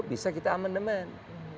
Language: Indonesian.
bisa kita amendement